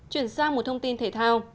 chuyển sang một thông tin thể thao